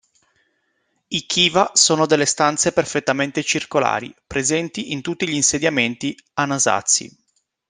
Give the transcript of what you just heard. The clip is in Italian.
I Kiva sono delle stanze perfettamente circolari, presenti in tutti gli insediamenti Anasazi.